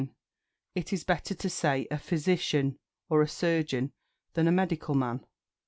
It is better to say "A physician," or "A surgeon," than "A medical man."